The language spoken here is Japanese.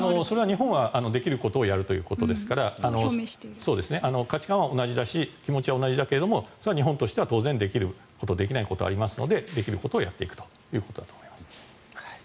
それは日本はできることをやるということですから価値観は同じだし気持ちは同じだけどもそれは日本としてはできることできないことがあるのでできることをやっていくということです。